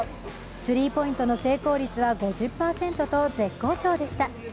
スリーポイントの成功率は５０％と絶好調でした。